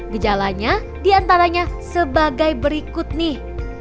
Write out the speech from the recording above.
gejalanya diantaranya sebagai berikut nih